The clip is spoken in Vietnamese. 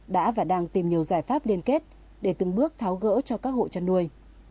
đã và đang tìm nhiều giải pháp liên kết để từng bước tháo gỡ cho các hộ chăn nuôi